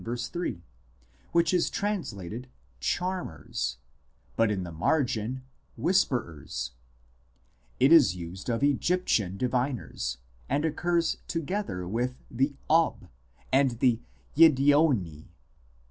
3) which is translated " charmers," but in the margin " whisperers "; it is used of Egyptian diviners, and occurs together with the Ob and the Yiddeoni.